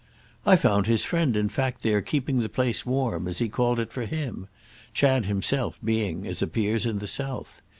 "I found his friend in fact there keeping the place warm, as he called it, for him; Chad himself being, as appears, in the south.